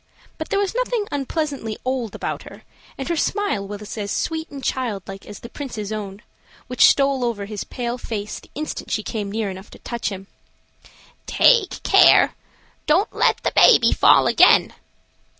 But there was nothing unpleasantly old about her, and her smile was as sweet and childlike as the Prince's own, which stole over his pale little face the instant she came near enough to touch him. "Take care! Don't let the baby fall again."